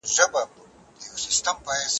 موږ د خپلې ټولنې په اړه څه پوهیږو؟